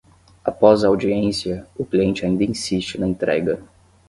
Após a audiência, o cliente ainda insiste na entrega.